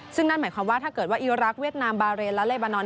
ซึ่งนั่นหมายความว่าถ้าเกิดว่าอีรักษ์เวียดนามบาเรนและเลบานอน